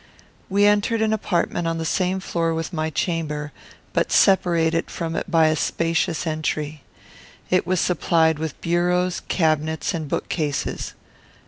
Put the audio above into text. We entered an apartment on the same floor with my chamber, but separated from it by a spacious entry. It was supplied with bureaus, cabinets, and bookcases.